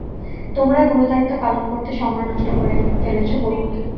তোমরা গুরুদায়িত্ব পালন করতে সময় নষ্ট করে ফেলেছ বহুত।